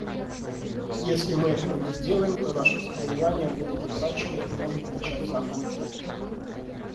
Если мы этого не сделаем, то наши завоевания будут утрачены и может начаться анархия.